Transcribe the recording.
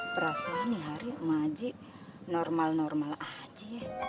terasa nih hari emak haji normal normal aja ya